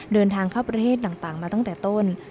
เดินทางเข้าประเทศต่างมาตั้งแต่ต้น